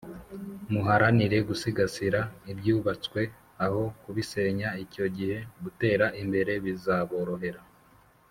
muharanire gusigasira ibyubatswe aho kubisenya icyo gihe gutera imbere bizaborohera